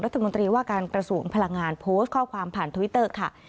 รัฐมนตรีว่าการกระทรวงพลังงานโพสต์ข้อความผ่านทวิตเตอร์ค่ะ